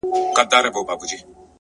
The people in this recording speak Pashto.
یو اروامست د خرابات په اوج و موج کي ویل;